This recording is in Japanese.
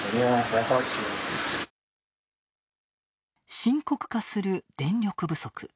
深刻化する電力不足。